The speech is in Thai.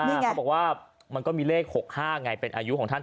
เขาบอกว่ามันก็มีเลข๖๕ไงเป็นอายุของท่าน